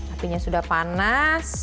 apinya sudah panas